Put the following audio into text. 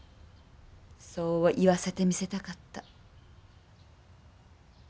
そう言わせてみせたかった。